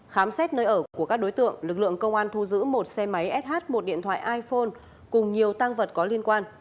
khám xét nơi ở của các đối tượng lực lượng công an thu giữ một xe máy sh một điện thoại iphone cùng nhiều tăng vật có liên quan